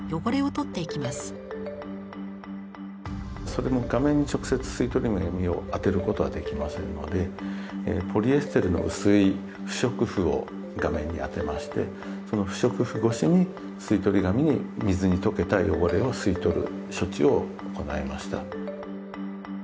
それも画面に直接吸い取り紙を当てることはできませんのでポリエステルの薄い不織布を画面に当てましてその不織布越しに吸い取り紙に水に溶けた汚れを吸い取る処置を行いました。